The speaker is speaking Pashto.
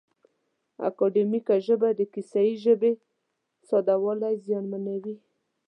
اکاډیمیکه ژبه د کیسه یي ژبې ساده والی زیانمنوي.